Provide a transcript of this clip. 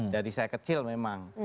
dari saya kecil memang